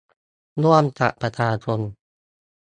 ร่วมกับประชาชน